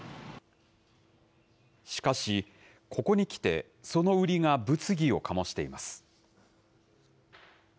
しかし、ここにきて、その売りが物議をかもしています。